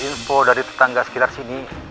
info dari tetangga sekitar sini